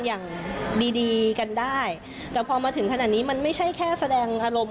อย่างดีดีกันได้แต่พอมาถึงขนาดนี้มันไม่ใช่แค่แสดงอารมณ์